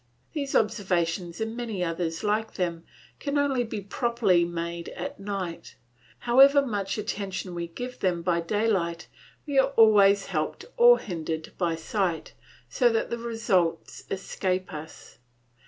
These observations and many others like them can only be properly made at night; however much attention we give to them by daylight, we are always helped or hindered by sight, so that the results escape us.